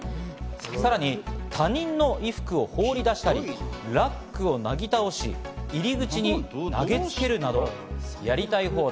さらに他人の衣服を放り出したり、ラックをなぎ倒し、入口に投げつけるなど、やりたい放題。